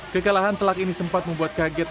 kekalahan telak ini sempat membuat kaget